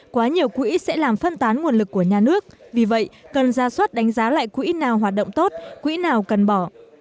quá nhiều quỹ sẽ làm phân tán nguồn lực của nhà nước vì vậy cần ra suất đánh giá lại quỹ nào hoạt động tốt quỹ nào cần bỏ